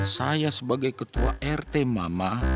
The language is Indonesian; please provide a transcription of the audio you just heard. saya sebagai ketua rt mama